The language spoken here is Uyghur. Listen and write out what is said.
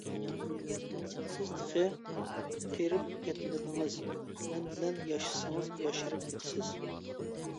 سىز تېخى قېرىپ كەتمىدىڭىز، مەن بىلەن ياشىسىڭىز ياشىرىپ كېتىسىز.